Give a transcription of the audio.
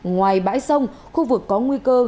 ngoài bãi sông khu vực có nguy cơ